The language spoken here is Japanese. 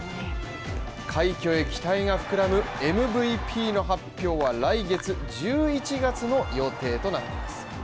快挙へ期待が膨らむＭＶＰの発表は来月１１月の予定となります。